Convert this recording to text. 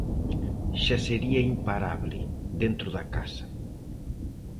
Xa sería imparable, dentro da casa.